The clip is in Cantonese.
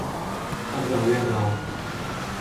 得啦叻啦